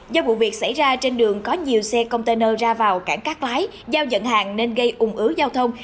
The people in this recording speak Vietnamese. do vụ việc xảy ra trên đường có nhiều xe container ra vào cảng các lái giao dận hàng nên gây ủng ứa giao thông